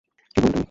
কি বললে তুমি?